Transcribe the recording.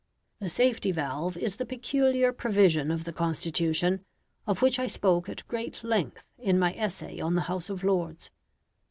The safety valve is the peculiar provision of the Constitution, of which I spoke at great length in my essay on the House of Lords.